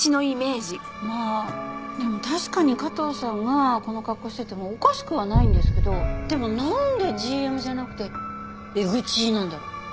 まあでも確かに加藤さんがこの格好しててもおかしくはないんですけどでもなんでＧＭじゃなくてエグチなんだろう？